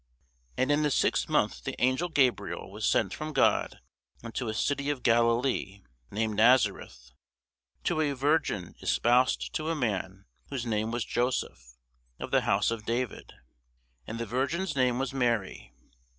And in the sixth month the angel Gabriel was sent from God unto a city of Galilee, named Nazareth, to a virgin espoused to a man whose name was Joseph, of the house of David; and the virgin's name was Mary.